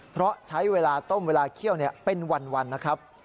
เพราะใช้เวลาต้มเวลาเคี่ยวเป็นวันนะครับ